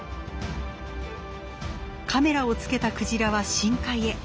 カメラをつけたクジラは深海へ。